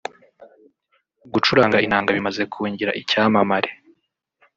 Gucuranga inanga bimaze kungira icyamamare